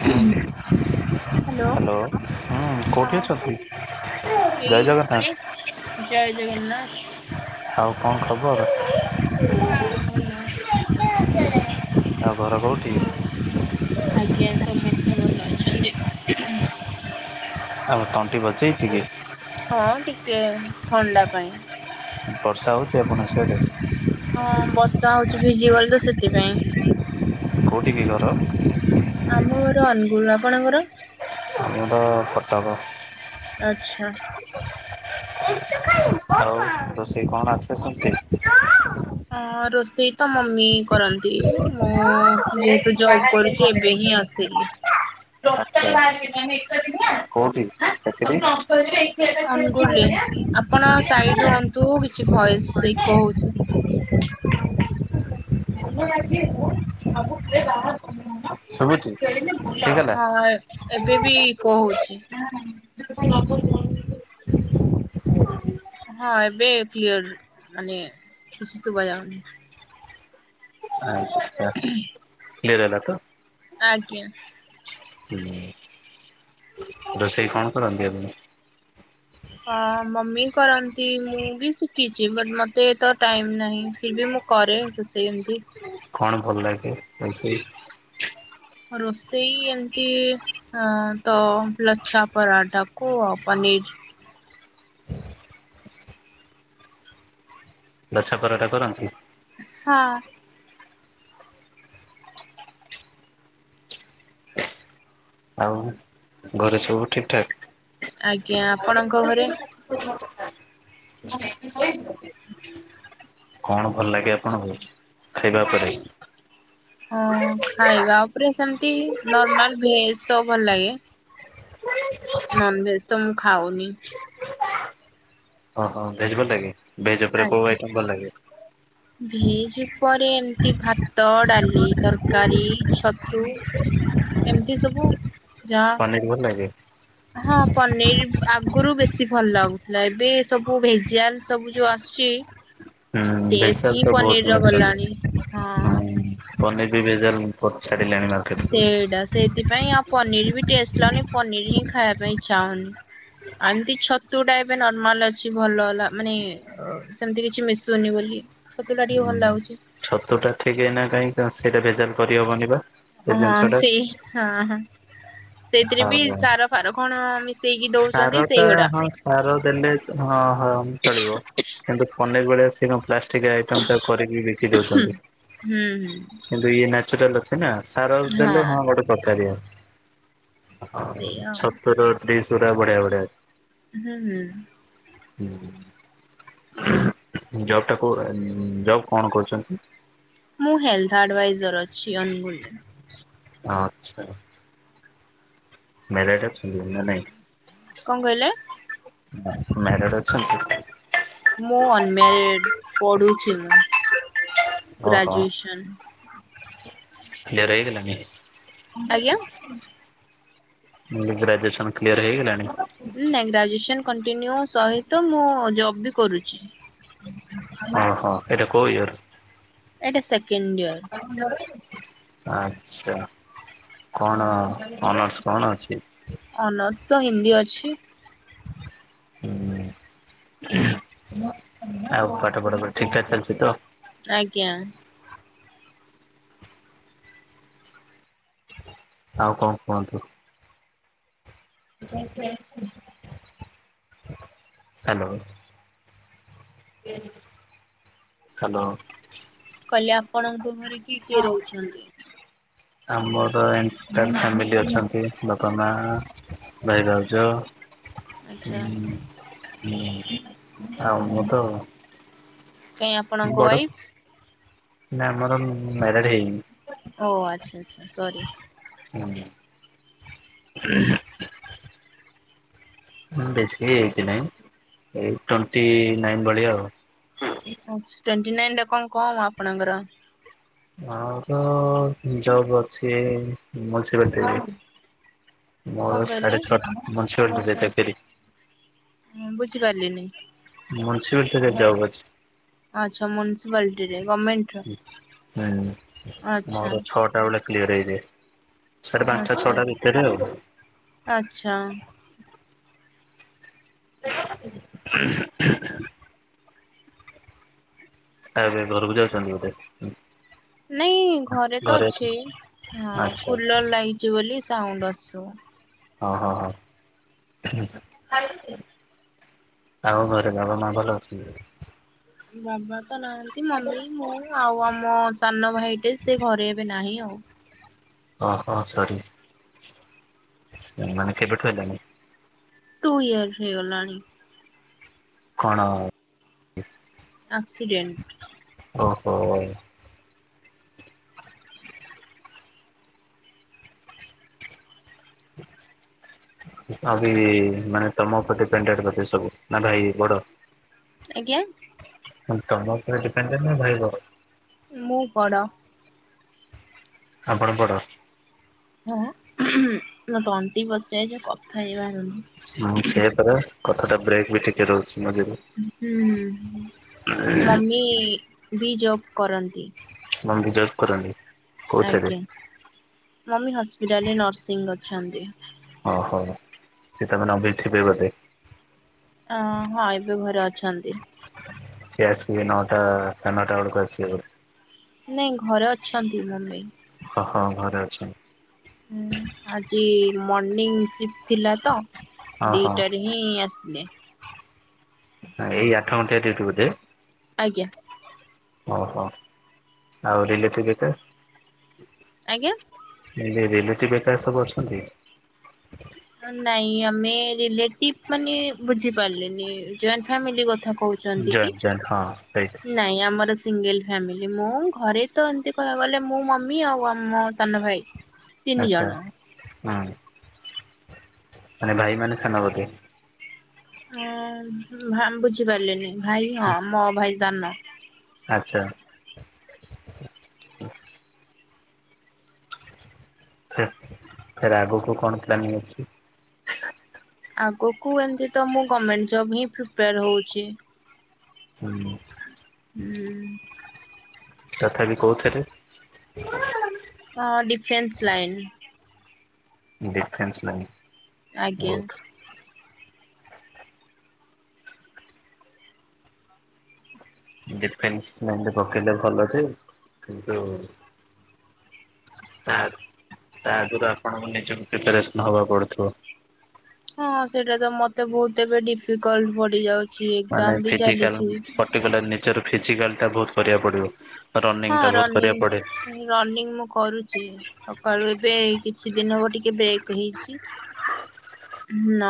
ହୁଁ hello hello ହୁଁ କୋଉଠି ହଁ ଅଛନ୍ତି ଏଇ ଜୟ ଜଗନ୍ନାଥ ଘରେ ଜୟ ଜଗନ୍ନାଥ। ଆଉ କଣ ଖବର? ହଁ ଭଲ। [inaudible] ଆଉ ଘର କୋଉଠି? ଆଜ୍ଞା ସମସ୍ତେ ଭଲ ଅଛନ୍ତି। ଆଉ ତଣ୍ଟି ବସିଯାଇଚିକି? ହଁ ଟିକେ ଥଣ୍ଡା ପାଇଁ। ବର୍ଷା ହଉଚି ଆପଣ ସିଆଡେ? ହଁ ବର୍ଷା ହଉଚି ଭିଜିଗଲୁ ସେତିପାଇଁ। କୋଉଠିକି ଘର? ଆମ ଘର ଅନୁଗୁଳ ଆପଣଙ୍କର? ଆମର କଟକ। ଆଚ୍ଛା। ଆଉ ରୋଷେଇ କଣ ଆସେ ସେମିତି? ହଁ ରୋଷେଇ ତ ମମି କରନ୍ତି ମୁଁ ଯେହେତୁ ଜବ୍ କରୁଚି ଏବେ ହିଁ ଆସିଲି। ଆଛା କୋଉଠି ଚାକିରି? ଅନୁଗୁଳରେ ଆପଣ ସାଇଟ ହୁଅନ୍ତୁ କିଛି ଭୟସ୍ ଇକୋ ହଉଚି। [unintelligible] [unintelligible] ଶୁବୁଚି ହେଇଗଲା। ହଁ ଏବେ ବି ଇକୋ ହଉଛି। [unintelligible] ହଁ ଏବେ କ୍ଲିୟର ମାନେ କିଛି ଶୁବାଯାଉନି। [inaudible] [unintelligible] କ୍ଲିୟର ହେଲା ତ? ଆଜ୍ଞା। ହୁଁ ରୋଷେଇ କଣ କରନ୍ତି? [unintelligible] ହଁ ମମି କରନ୍ତି ମୁଁ ବି ଶିଖିଛି ବଟ୍ଟ ମତେ ତ ଟାଇମ୍ ନାହିଁ। ଫିର୍ ବି ମୁ କରେ ରୋଷେଇନ୍ତି। କଣ ଭଲ ଲାଗେ [unintelligible] ରୋଷେଇ ଏମତି ହ ତ ଲଚଛା ପରାଟା କୁ ପନିର୍। ଲଚ୍ଛା ପରଟା କରନ୍ତି? ହଁ। ଆଉ ଘରେ ସବୁ ଠିକ ଠାକ୍? ଆଜ୍ଞା ଆପଣଙ୍କ ଘରେ? [unintelligible] କଣ ଭଲ ଲାଗେ ଆପଣଙ୍କୁ ଖାଇବା ପାଇଁ? ହଁ ଖାଇବା ଉପରେ ସେମତି ନର୍ମାଲ ଭେଜ୍ ତ ଭଲ୍ ଲାଗେ। [inaudible] ନନଭେଜ୍ ତ ମୁଁ ଖାଉନି। ଓ ହ ଭେଜ୍ ଭଲ୍ ଲାଗେ ଭେଜ୍ ଉପରେ କଉ ଆଇଟମ୍ ଭଲ ଲାଗେ? ଭେଜ ଉପରେ ଏମିତି ଭାତ ଡାଲି ତରକାରୀଛ ତୁ ଏମିତି ସବୁ ଯାହା [unintelligible] ଭଲ୍ ଲାଗେ? ହଁ ପନିର୍ ଆଗୁରୁ ବେଶୀ ଭଲ୍ ଲାଗୁଥିଲା ଏବେ ସବୁ ଭେଜାଲ୍ ସବୁ ଯୋଉ ସବୁ ଆସୁଚି। [inaudible] ହୁଁ ଭେଜାଲ୍ ତ ବହୁତ୍ ହଁ। ମିଲୁଚନ୍ତି ପନିର୍ ବି ଭେଜାଲ୍ ପଚାରିଲାଣି ମାର୍କେଟ ଏଟା ସେଥିପାଇଁ ଆଉ ପନିର ବି ଟେଷ୍ଟ ଲାଗୁନି ପନିର ହିଁ ଖାଇବା ପାଇଁ ଇଛା ହଉନି। ଆଣ୍ଟି ଛତୁଟା ଏବେ ନର୍ମାଲ ଅଛି, ଭଲ ତା ମାନେ ସେମତି କିଛି ମିଶୁନି ବୋଲି ଛତୁଟା ଟିକେ ହୁଁ, ଭଲ ଲାଗୁଛି ଛତୁ ଟା ଠିକ୍ ଏଇନା କାହିଁ [unintelligible] ସେଇଟା ଭେଜାଲ କରିହବନି ବା ସେ ହଁ ଜିନିଷଟା ସେଇ ହଁ ହଁ ସେଇଥିରେ ଆଉ ବି ସାର ଫାର କଣ ମିଶ ସେଇକି ଦଉଛନ୍ତି ସାରଟା ସେଇଗୁଡା ହଁ ସାର ଦେଲେ ହଁ ହଁ ଚଳିବ କିନ୍ତୁ ଫନେ ବେଳେ କଣ ପ୍ଲାଷ୍ଟିକ ଆଇଟମ ତା କରିକି ବିକି ଦଉଛନ୍ତି। ହୁଁ ହୁଁ। କିନ୍ତୁ ଇଏ ନାଚୁରାଲ ଅଛି। ଏଇନା ସାର ଦେଲେ ହଁ ଗୋଟେ ପ୍ରକାରୀଆ। ଆଉ ଛତୁର ଟେଷ୍ଟ ତୁରା ବଢ଼ିଆ ବଢ଼ିଆ ଅଛି। ହୁଁ ହୁଁ। ହୁଁ। ଜବ୍ ଟା କୋର ଜବ୍ କଣ କରୁଛନ୍ତି? ମୁଁ ହେଲଥ ଆଡଭାଇଜର ଅଛି ଅନୁଗୁଳୁ ରେ। ଆଚ୍ଛା। ମ୍ୟାରେଡ ଅଛନ୍ତି ନା ନାହିଁ? କଣ କହିଲେ? ମ୍ୟାରେଡ ଅଛନ୍ତି? ମୁଁ ଅନମ୍ୟାରେଡ, ପଢୁଛି ମୁଁ। ଓହୋ ଗ୍ରାଜୁଏସନ୍। କ୍ରିୟର ହେଇଗଲାଣି। ଆଜ୍ଞା ଗ୍ରାଜୁଏସନ କ୍ଲିୟର ହେଇଗଲାଣି? ନାଇଁ ଗ୍ରାଜୁଏସନ କଣ୍ଟିନ୍ୟୁ ସହିତ ମୁଁ ଜବ୍ ବି କରୁଛି। ଓ ହଁ ଏଇଟା କୋଉ ଇଅର? ଏଇଟା ସେକେଣ୍ଡ ଇୟର। ଆଚ୍ଛା କଣ ଅନର୍ସ କଣ ଅଛି? ଅନସ ହିନ୍ଦୀ ଅଛି। ହୁଁ ଆଉ ପାଠ ପଢ ଠିକଠାକ ଚାଲିଚି ତ? ଆଜ୍ଞା। ଆଉ କଣ କୁହନ୍ତୁ? ହ୍ୟାଲୋ। ହ୍ୟାଲୋ। କହିଲେ ଆପଣଙ୍କ ଘରେ କିଏ କିଏ ହଁ। ରହୁଛନ୍ତି? ଆମର ଏଣ୍ଟାଲ ଫ୍ୟାମିଲି ଅଛନ୍ତି। ବାପା, ମା ଭାଇ, ଭାଉଜ ଆଚ୍ଛା ହଁ ମୁଁ ତ କାଇଆ ବଡ, ନା ଆମର ମ୍ୟାରେଡ ହେଇନି ‌। ଓ ଆଚ୍ଛା ଆଚ୍ଛା ସରି। ହୁଁ [unintelligible] ବେଶ ଇଜି ନାହିଁ, ଏଇ ଟୋନଣ୍ଟି ନାଇନ ଭଳିଆ ଆଉ। ଆଚ୍ଛା ଟ୍ୱଣ୍ଟି ନାଇନ ଟା କଣ କମ ଆପଣଙ୍କର? ଆର ଜବ ଅଛି ଅଛି ବୋଧେ। କଣ ମୋର କହିଲେ? ସାଢେ ଛଅଟା [unintelligible] ଚାକିରି। ହୁଁ ବୁଝିପାରିଲିନି। [unintelligible] ଜବ୍ ଅଛି। ଆଚ୍ଛା! ମୁ୍ନିସିପାଲିଟି ରେ ଗଭର୍ଣ୍ଣମେଣ୍ଟ ର। ହୁଁ ମୋର ଛଅଟା ବେଳେ କ୍ଲିୟର ହେଇଯାଏ। ସାଢେ ପାଞ୍ଚଟା ଆଚ୍ଛା ଛଅଟା ଭିତରେ ଆଉ। ଆଚ୍ଛା ଆଉ ଏ ଘରକୁ ଯାଉଛନ୍ତି ଗୋଟେ। ନାଇଁ ଘରେ ତ ଅଛି ହଁ ଆଚ୍ଛା କୁଲର ଲାଗିଛି ବୋଲି ସାଉଣ୍ଡ ଆସୁ ହଁ ହଁ ହଁ ଆମ ଘରେ ବାବାା ମାଆ ଭଲ ଅଛନ୍ତି। ବାବା ତ ନାହାନ୍ତି ମମି ମୁଁ ଆଉ ଆମ ସାନ ଭାଇଟେ ସେ ଘରେ ଏବେ ନାହିଁ ଆଉ। ଓ ହୋ ସରି। ମାନ କେବେଠୁ ହେ ଟୁ ଇୟର୍ ହେଇଗଲାଣି। କଣ ଆକ୍ସିଡେଣ୍ଟ। ଓହୋ ଆଉ ମାନେ ତମ ଉପରେେ ଡିପେଡେଡ କରେ ସବୁ ନା ଭାଇ ବଡ। ଆଜ୍ଞା ତମ ଉପରେ ଡିପେଣ୍ଡ ଭାଇ ବଡ଼। ମୁଁ ବଡ଼। ଆପଣ ବଡ଼। ମୋ ତଣ୍ଟି ବସି ଯାଇଛି କଥା ହେଇବାରୁନି। ହୁଁ [unintelligible] କଥା ଟା ବ୍ରେକ୍ ବି ଟିକେ ରହୁଛି ମଝିରେ। ହୁଁ ମମି ବି ଜବ୍ କରନ୍ତି। ମମି ଜବ୍ କରନ୍ତି। କୋଉଥିରେ ଆଜ୍ଞା ମମି ହସ୍ପିଟାଲରେ ନର୍ସିଂ କରୁଛନ୍ତି। ଓହୋ [unintelligible] ବୋଧେ। ଅ ହଁ ଏବେ ଘରେ ଅଛନ୍ତି। ସେ ଆସିବେ ନଟା ସାଢେନଟା ବେଳକୁ ଆସିବେ ବୋଧେ। ନାଇଁ ଘରେ ଅଛନ୍ତି ମମି। ହଁ ହଁ ଘରେ ଅଛି। ହଁ ଆଜି ମର୍ଣିିଂ ସିପ୍ ଥିଲା ତ ଓହୋ ଦିଟାରେ। ହୁଁ ଆସିଲେ। ହଁ ଏଇ ଆଠ ଘଣ୍ଟଆ ଟିୟୁଟି ବୋଧେ। ଆଜ୍ଞା ଓହୋ [unintelligible] ଆଜ୍ଞା ରିଲେଟିଭ୍ ଏକା ସବୁ ଅଛନ୍ତି। ନାଇଁ ଆମେ ରିଲେଟିଭ ମାନେ ବୁଝିପାରିଲିନି ଯଏଣ୍ଟେ ଫ୍ୟାମିଲି କଥା କହୁଛନ୍ତି। [unintelligible] କି? ହଁ ସେଇ। ନାଇଁ ଆମର ସିଙ୍ଗଲ ଫ୍ୟାମିଲି ମୁଁ ଘରେ ତ ଏମିତି କହିବାକୁ ଗଲେ ମୁଁ ମମି ଆଉ ଆମ ସାନ ଭାଇ। ହ ଆଚ୍ଛା ହୁଁ ମାନେ ଭାଇ ମାନେ ସାନ ବୋଲି ହଁ ଭା ବୁଝିପାରିଲିନି ଭାଇ ହଁ ମୋ ଭାଇ ସାନ ଆଚ୍ଛା ଫ ଫେର ଆଗକୁ କଣ ପ୍ଲାନିଂ ଅଛି ଆଗକୁ ଏମିତି ତ ମୁଁ ଗର୍ଣମେଣ୍ଟ ଜବ ହିଁ ପ୍ରିପେୟାର ହଉଛି ହୁଁ ହୁଁ ହୁଁ ତଥାପି କହୁଥିରେ ହଁ ଡିଫେନ୍ସ ଲାଇନ୍ ଡିଫ୍ରେନ୍ସ ଲାଇନି ଆଜ୍ଞା ଡିଫେନ୍ସ ଲାଇନରେ ପକେଇଲେ ଭଲ ଅଛି କିନ୍ତୁ ତା ଆଗ ତା ଆଗରୁ ଆପଣଙ୍କୁ ନିଜ କୁ ପ୍ରିପାରେସନ ହବାକୁ ପଡୁଥିବ ହଁ ସେଇଟା ତ ମତେ ବହୁତ ଏବେ ଡିଫିକଲ୍ଟ ପଡି ଯାଉଛି ମାନେ ଏଜାମ ବି ଫିଜିକାଲ ଚାଲିଛି ପର୍ଟିକୁଲାର ନିଜର ଫିଜିକାଲିଟା ବହୁତ କରିବାକୁ ପଡିବ ରନିଂ ହଁ ଟା ବହୁତ ରନିଂ କରିବାକୁ ପଡେ। ରନିଂ ମୁଁ କରୁଛି ସକାଳୁ ଏବେ କିଛି ଦିନ ହବ ଟିକେ ବ୍ରେକ୍ ହେଇଛି ନା